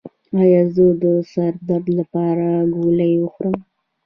ایا زه د سر درد لپاره ګولۍ وخورم؟